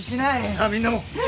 さあみんなも。